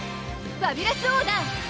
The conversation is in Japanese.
ファビュラスオーダー！